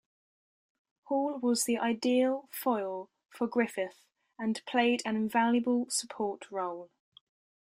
Hall was "the ideal foil" for Griffith and played an invaluable support role.